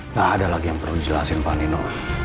nggak ada lagi yang perlu dijelasin pak nino